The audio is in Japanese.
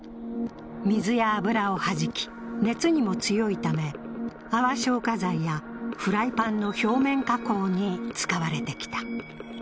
水や油をはじき、熱にも強いため、泡消火剤やフライパンの表面加工に使われてきた。